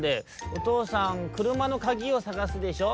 「おとうさんくるまのかぎをさがすでしょ」。